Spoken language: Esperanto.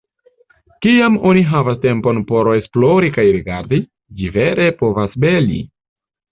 Kiam oni havas tempon por esplori kaj rigardi, ĝi vere povas beli.